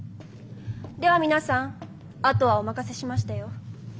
では皆さんあとはお任せしましたよ。